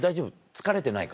疲れてないか？